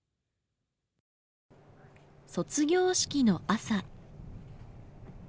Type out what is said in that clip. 卒業式の朝。